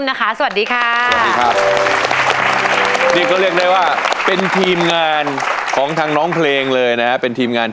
นี่ก็เรียกได้ว่าการที่งานของทางน้องเพลงเลยนะ